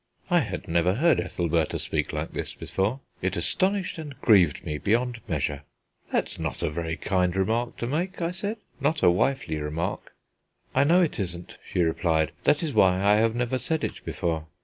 I had never heard Ethelbertha speak like this before; it astonished and grieved me beyond measure. "That's not a very kind remark to make," I said, "not a wifely remark." "I know it isn't," she replied; "that is why I have never said it before.